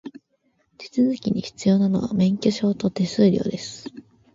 手続きに必要なのは、免許証と手数料です。